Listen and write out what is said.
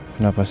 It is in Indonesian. kenapa sih ini